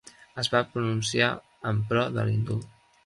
Es va pronunciar en pro de l'indult.